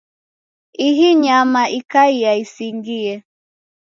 Ihi nyama ikaia isingie.